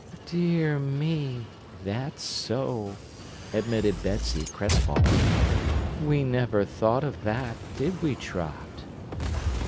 "Dear me! That's so," admitted Betsy, crestfallen; "we never thought of that, did we Trot?"